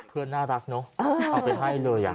เพื่อนน่ารักเนหรอเอาไปให้เลย